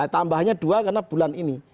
tambahnya dua karena bulan ini